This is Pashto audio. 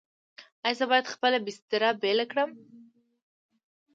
ایا زه باید خپله بستر بیله کړم؟